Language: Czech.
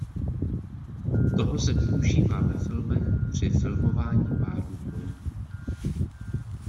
Toho se využívá ve filmech při filmování pádů koní.